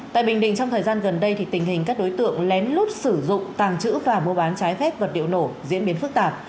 tại bình định trong thời gian gần đây tình hình các đối tượng lén lút sử dụng tàng trữ và mua bán trái phép vật liệu nổ diễn biến phức tạp